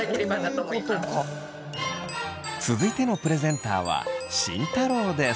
続いてのプレゼンターは慎太郎です！